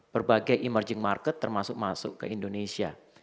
berbagai emerging market termasuk masuk ke indonesia